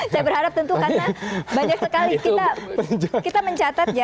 saya berharap tentu karena banyak sekali kita mencatat ya